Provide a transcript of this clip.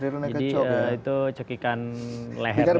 jadi itu cekikan leher